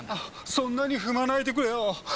そんなにふまないでくれよ。